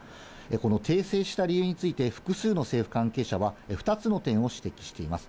この訂正した理由について複数の政府関係者は２つの点を指摘しています。